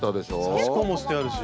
刺し子もしてあるし。